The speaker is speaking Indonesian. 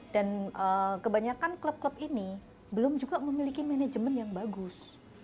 dan kebanyakan klub klub ini belum juga memiliki manajemen yang bagus